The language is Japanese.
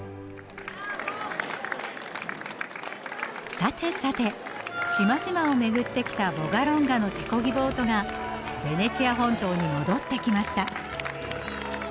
さてさて島々を巡ってきたヴォガロンガの手漕ぎボートがベネチア本島に戻ってきました。